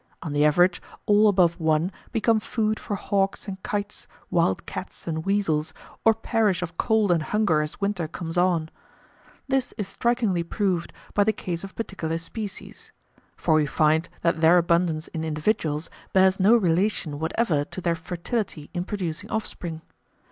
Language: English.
On the average all above one become food for hawks and kites, wild cats and weasels, or perish of cold and hunger as winter comes on. This is strikingly proved by the case of particular species; for we find that their abundance in individuals bears no relation whatever to their fertility in producing offspring.